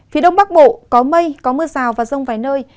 phía đông bắc bộ có mây có mưa rào và rông vài nơi